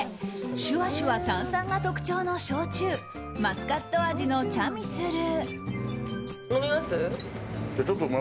シュワシュワ炭酸が特徴の焼酎マスカット味のチャミスル。